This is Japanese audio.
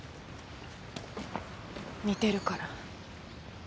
似てるから。